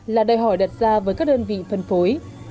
là đòi hỏi đặt ra với các đơn vị phân phối